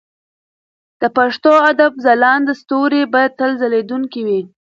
د پښتو ادب ځلانده ستوري به تل ځلېدونکي وي.